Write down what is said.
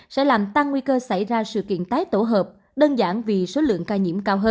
sẽ làm tăng nguy cơ xảy ra sự kiện